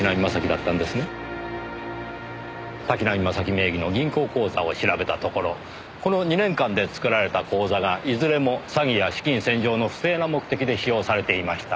名義の銀行口座を調べたところこの２年間で作られた口座がいずれも詐欺や資金洗浄の不正な目的で使用されていました。